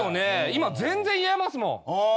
今全然言えますもん。